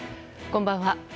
こんばんは。